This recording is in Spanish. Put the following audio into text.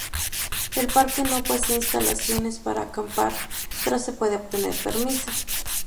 El parque no posee instalaciones para acampar, pero se puede obtener permiso.